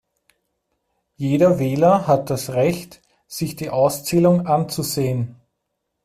Jeder Wähler hat das Recht, sich die Auszählung anzusehen.